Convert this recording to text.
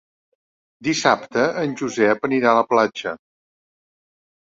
Dissabte en Josep anirà a la platja.